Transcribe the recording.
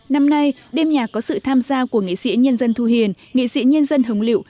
năm nay đêm nhạc có sự tham gia của nghệ sĩ nhân dân thu hiền nghệ sĩ nhân dân hồng liệu